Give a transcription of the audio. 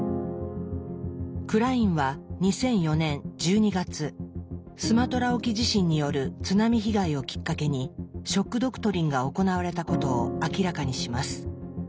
クラインは２００４年１２月スマトラ沖地震による津波被害をきっかけに「ショック・ドクトリン」が行われたことを明らかにします。